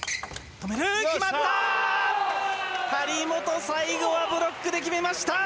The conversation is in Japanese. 止める、張本、最後はブロックで決めました！